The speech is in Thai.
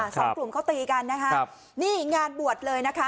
สองกลุ่มเขาตีกันนะคะครับนี่งานบวชเลยนะคะ